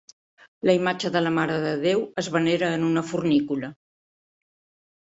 La imatge de la mare de Déu es venera en una fornícula.